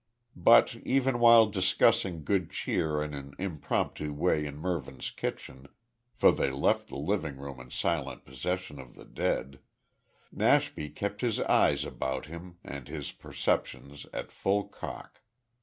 But even while discussing good cheer in an impromptu way in Mervyn's kitchen for they left the living room in silent possession of the dead Nashby kept his eyes about him and his perceptions at full cock.